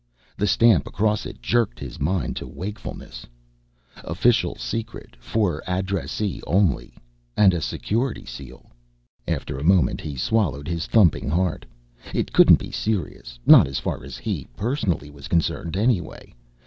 The stamp across it jerked his mind to wakefulness. OfiSal, sEkret, fOr adresE OnlE and a Security seal! After a moment he swallowed his thumping heart. It couldn't be serious, not as far as he personally was concerned anyway.